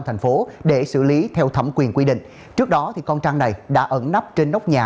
thành phố để xử lý theo thẩm quyền quy định trước đó con trang này đã ẩn nắp trên nóc nhà